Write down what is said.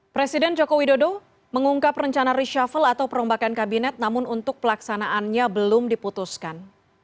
presiden joko widodo mengungkap rencana reshuffle atau perombakan kabinet namun untuk pelaksanaannya belum diputuskan